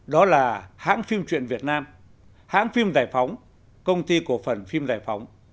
đó là hãng phim truyện việt nam hãng phim giải phóng công ty cổ phần phim giải phóng